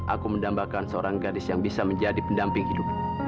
aku mendambakan seorang gadis yang bisa menjadi pendamping hidup